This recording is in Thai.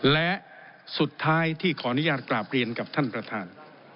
และสุดท้ายที่ขออนุญาตกราบเรียนกับท่านประธาน